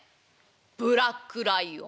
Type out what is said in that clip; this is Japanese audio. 「ブラックライオン。